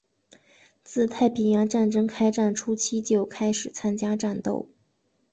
自太平洋战争开战初期就开始参加战斗。